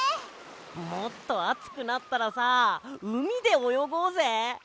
もっとあつくなったらさうみでおよごうぜ！